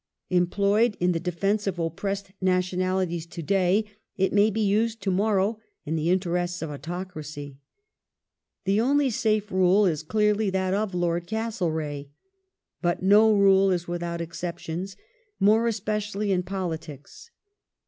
Employed in the defence of oppressed nationalities to day, it may be used to morrow in the interests of autocracy. The only safe rulfe is clearly that of Lord Castlereagh. But no rule is without exceptions, more especially in politics.